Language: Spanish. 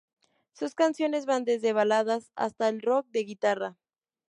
Sus canciones van desde baladas hasta el rock de guitarra.